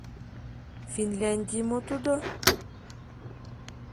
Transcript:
— Финляндий мо тудо?